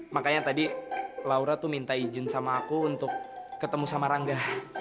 makanya tadi laura tuh minta izin sama aku untuk ketemu sama rangga